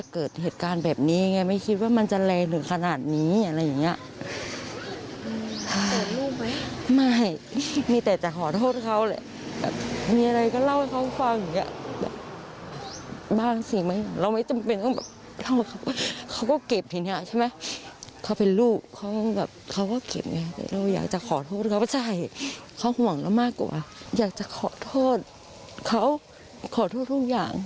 เขาห่วงเรามากกว่าอยากจะขอโทษเขาขอโทษทุกอย่าง